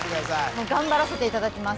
もう頑張らせていただきます